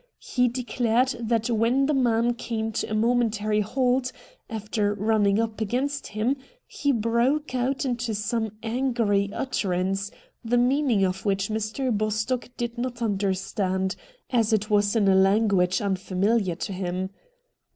He declared that when the man came to a momentary halt, after running up against him, he broke out into some angry utterance, the meaning of which Mr. Bostock did not understand, as it was in a language unfamihar to him.